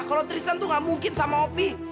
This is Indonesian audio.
kalau tristan tuh gak mungkin sama opi